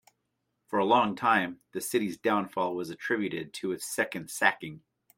For a long time, the city's downfall was attributed to its second sacking.